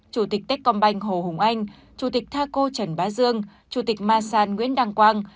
chủ tịch tết công banh hồ hùng anh chủ tịch tha cô trần bá dương chủ tịch ma san nguyễn đăng quang